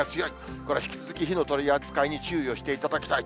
これ、引き続き火の取り扱いに注意をしていただきたいと。